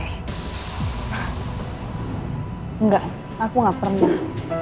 enggak aku gak pernah